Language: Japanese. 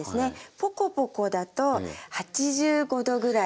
ポコポコだと８５℃ぐらい。